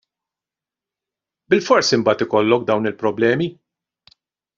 Bilfors imbagħad ikollok dawn il-problemi!